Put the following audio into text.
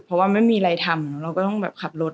เพราะว่าไม่มีอะไรทำเราก็ต้องแบบขับรถ